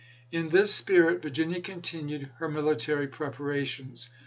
In this spirit Virginia continued her military preparations.